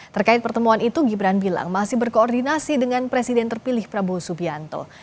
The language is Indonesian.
terkait pertemuan itu gibran bilang masih berkoordinasi dengan presiden terpilih prabowo subianto